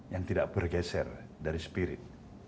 yang tidak bergeser dari spirit